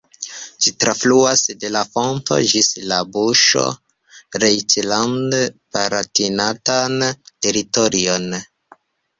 Ĝi trafluas de la fonto ĝis la buŝo rejnland-Palatinatan teritorion.